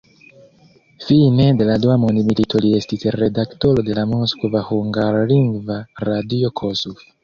Fine de la dua mondmilito li estis redaktoro de la moskva hungarlingva radio Kossuth.